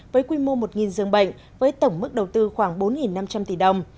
với quy mô một giường bệnh với tổng mức đầu tư khoảng bốn năm trăm linh tỷ đồng